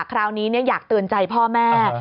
คราวนี้อยากเตือนใจพ่อแม่